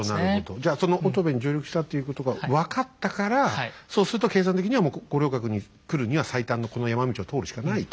じゃその乙部に上陸したっていうことが分かったからそうすると計算的にはもう五稜郭に来るには最短のこの山道を通るしかないと。